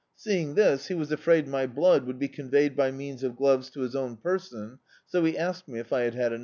Seeing this he was afraid my blood would be conveyed by means of gloves to his own person^ so he asked me if I had had enou^.